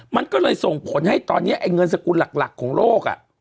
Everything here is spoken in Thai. มันก็เลยส่งผลให้ตอนนี้ไอ้เงินสกุลหลักของโลก